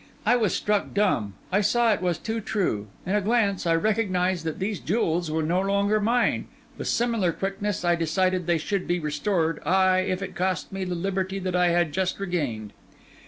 I was struck dumb; I saw it was too true; in a glance, I recognised that these jewels were no longer mine; with similar quickness, I decided they should be restored, ay, if it cost me the liberty that I had just regained.